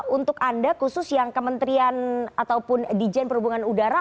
untuk anda khusus yang kementerian ataupun dijen perhubungan udara